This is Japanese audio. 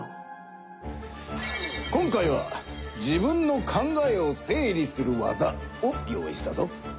今回は自分の考えを整理する技を用意したぞ。